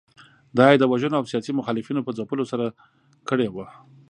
دا یې د وژنو او سیاسي مخالفینو په ځپلو سره کړې وه.